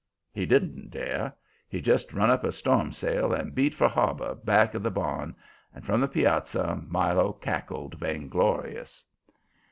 He didn't dare. He just run up a storm sail and beat for harbor back of the barn. And from the piazza Milo cackled vainglorious.